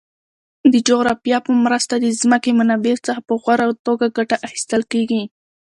د جغرافیه په مرسته د ځمکې منابعو څخه په غوره توګه ګټه اخیستل کیږي.